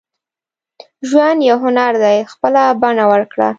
• ژوند یو هنر دی، خپله بڼه ورکړه.